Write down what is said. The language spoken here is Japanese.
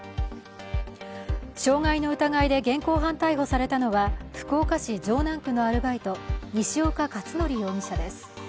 傷害の疑いで現行犯逮捕されたのは福岡市城南区のアルバイト西岡且准容疑者です。